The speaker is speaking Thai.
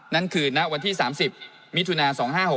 นั่นคือณวันที่๓๐มิถุนา๒๕๖๖